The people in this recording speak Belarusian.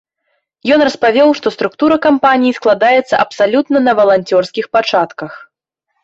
Ён распавёў, што структура кампаніі складаецца абсалютна на валанцёрскіх пачатках.